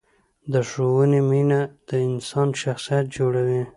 د ښوونې مینه د انسان شخصیت جوړوي.